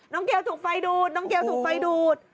น้องเกลถูกไฟดูด